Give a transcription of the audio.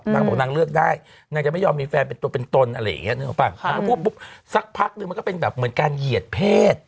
นางบอกนางเลือกได้นางจะไม่ยอมมีแฟนเป็นตัวเป็นตนอะไรอย่างนี้นึกออกป่ะนางก็พูดปุ๊บสักพักนึงมันก็เป็นแบบเหมือนการเหยียดเพศ